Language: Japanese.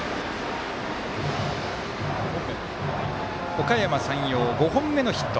おかやま山陽５本目のヒット。